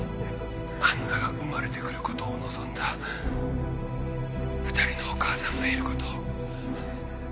アンナが生まれて来ることを望んだ２人のお母さんがいることを。